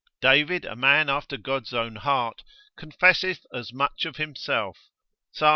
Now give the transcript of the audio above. David, a man after God's own heart, confesseth as much of himself, Psal.